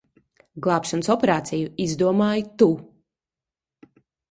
Glābšanas operāciju izdomāji tu.